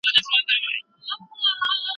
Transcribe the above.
پرون مُلا وو کتاب پرانیستی